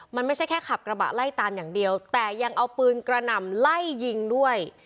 มันไม่ใช่แค่ขับกระบะไล่ตามอย่างเดียวแต่ยังเอาปืนกระหน่ำไล่ยิงด้วย